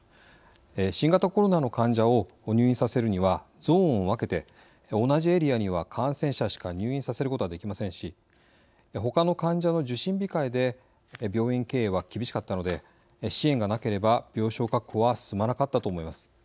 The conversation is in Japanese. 新型コロナの患者を入院させるにはゾーンを分けて同じエリアには感染者しか入院させることができませんしほかの患者の受診控えで病院経営は厳しかったので支援がなければ病床確保は進まなかったと思います。